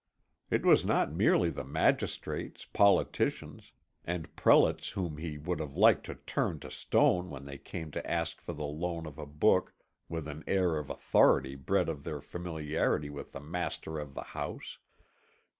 It was not merely the magistrates, politicians, and prelates whom he would have liked to turn to stone when they came to ask for the loan of a book with an air of authority bred of their familiarity with the master of the house.